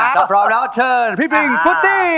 ถ้าพร้อมแล้วเชิญพี่พิงฟุตตี้